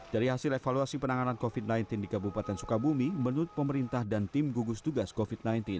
dari hasil evaluasi penanganan covid sembilan belas di kabupaten sukabumi menurut pemerintah dan tim gugus tugas covid sembilan belas